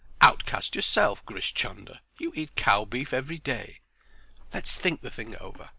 "Outcast yourself, Grish Chunder! You eat cow beef every day. Let's think the thing over.